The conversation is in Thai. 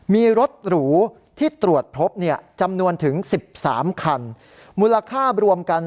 มีรถหรูที่ตรวจพบจำนวนถึง๑๓คันมูลค่ารวมกัน